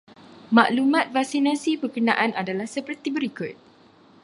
Maklumat vaksinasi berkenaan adalah seperti berikut.